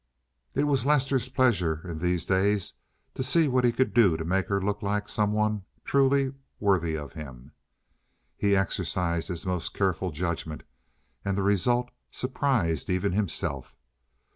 It was Lester's pleasure in these days to see what he could do to make her look like some one truly worthy of im. He exercised his most careful judgment, and the result surprised even himself.